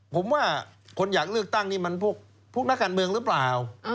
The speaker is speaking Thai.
ผมว่าคนอยากเลือกตั้งนี่มันพวกนักการเมืองหรือเปล่า